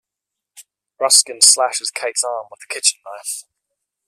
Ruskin slashes Kate's arm with a kitchen knife.